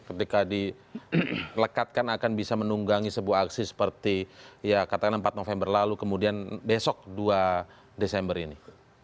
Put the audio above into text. ketika dilekatkan akan bisa menunggangi sebuah aksi seperti ya katakanlah empat november lalu kemudian besok dua desember ini